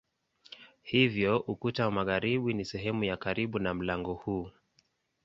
Hivyo ukuta wa magharibi ni sehemu ya karibu na mlango huu.